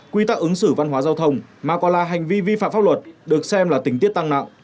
quy tắc ứng xử văn hóa giao thông mà còn là hành vi vi phạm pháp luật được xem là tình tiết tăng nặng